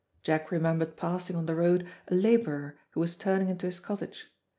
Jack remembered passing on the road a labourer who was turning into his cottage.